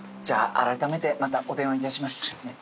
じゃああらためてまたお電話いたします。